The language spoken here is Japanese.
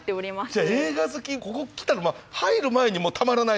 じゃあ映画好きここ来たら入る前にもうたまらないような。